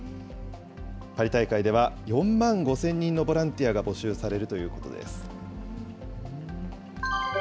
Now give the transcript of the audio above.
パリ大会では、４万５０００人のボランティアが募集されるということです。